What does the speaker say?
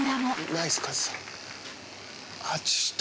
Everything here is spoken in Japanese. ナイス、カズさん。